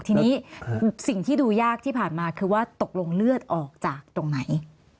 ทีนี้สิ่งที่ดูยากที่ผ่านมาคือว่าตกลงเลือดออกจากตรงไหน